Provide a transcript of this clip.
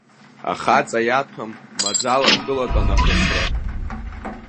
Ахаҵа иаҭәам маӡала дкылатәан ахысра…